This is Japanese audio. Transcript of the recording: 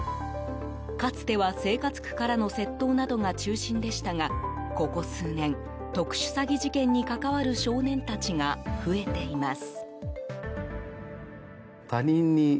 かつては生活苦からの窃盗などが中心でしたがここ数年特殊詐欺事件に関わる少年たちが増えています。